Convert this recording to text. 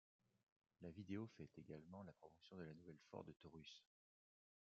La vidéo fait également la promotion de la nouvelle Ford Taurus.